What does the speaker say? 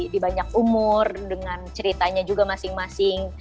di banyak umur dengan ceritanya juga masing masing